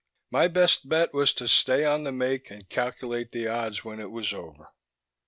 My best bet was to stay on the make and calculate the odds when it was over.